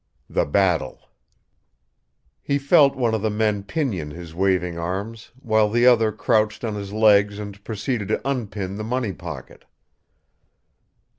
The Battle He felt one of the men pinion his waving arms, while the other crouched on his legs and proceeded to unpin the money pocket.